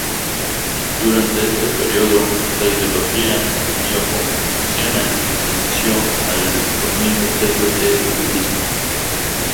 Durante este período, la ideología neo-confuciana venció al dominio previo del budismo.